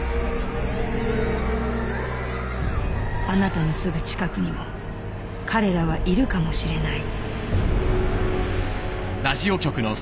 あなたのすぐ近くにも彼らはいるかもしれない。